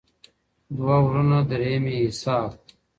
دوه وړونه درېيم ئې حساب.